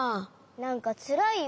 なんかつらいよ。